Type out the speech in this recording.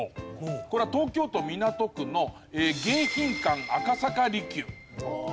これは東京都港区の迎賓館赤坂離宮。